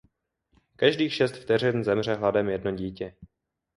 Každých šest vteřin zemře hladem jedno dítě.